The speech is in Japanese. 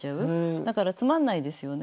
だからつまんないですよね。